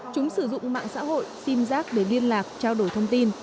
chúng sử dụng mạng xã hội sim giác để liên lạc trao đổi thông tin